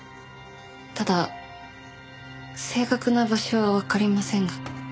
ただ正確な場所はわかりませんが。